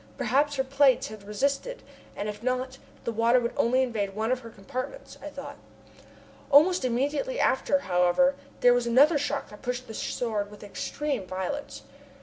Perhaps her plates had resisted, and if not, the water would only invade one of her compartments, I thought. Almost immediately after, however, there was another shock that pushed the Sword with extreme violence.